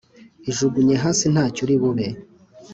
ijugunye hasi ntacyo uribube